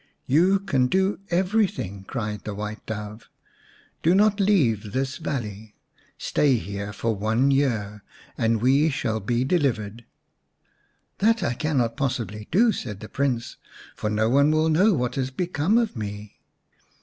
" You can do everything," cried the White Dove. "Do not leave this valley. Stay here for one year and we shall be delivered." " That I cannot possibly do," said the Prince, " for no one will know what has become of me."